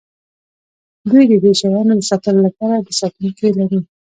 دوی د دې شیانو د ساتلو لپاره ساتونکي لري